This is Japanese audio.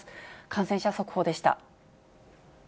感染者速報でした。